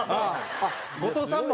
あっ後藤さんも。